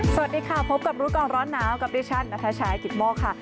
สวัสดีค่ะพบกับรู้ก่อนร้อนหนาวกับดิฉันนัทชายกิตโมกค่ะ